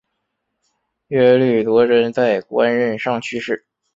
耶律铎轸在官任上去世。